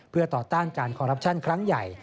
เพื่อต่อต้านการคอรัปชั่นครั้งใหญ่